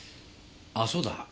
あそうだ。